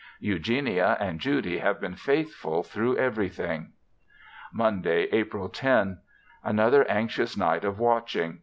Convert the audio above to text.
Eugenia and Judy have been faithful through everything. Monday, April 10. Another anxious night of watching.